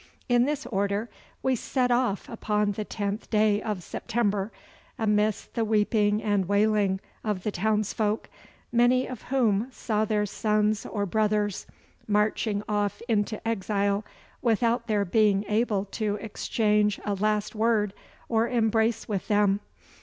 In this order we set off upon the tenth day of September, amidst the weeping and wailing of the townsfolk, many of whom saw their sons or brothers marching off into exile without their being able to exchange a last word or embrace with them.